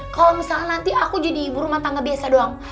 kalau misalnya nanti aku jadi ibu rumah tangga biasa doang